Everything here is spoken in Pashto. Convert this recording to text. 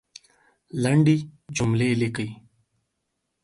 لندي جملې لیکئ !